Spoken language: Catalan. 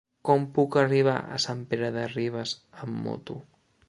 Com puc arribar a Sant Pere de Ribes amb moto?